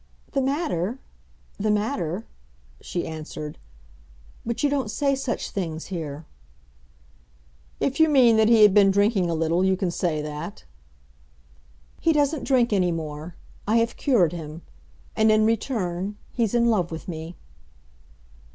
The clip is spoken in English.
"The matter—the matter"—she answered. "But you don't say such things here." "If you mean that he had been drinking a little, you can say that." "He doesn't drink any more. I have cured him. And in return—he's in love with me."